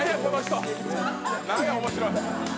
何や、面白い。